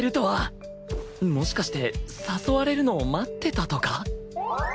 もしかして誘われるのを待ってたとか？